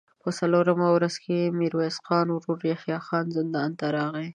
په څلورمه ورځ د ميرويس خان ورو يحيی خان زندان ته راغی.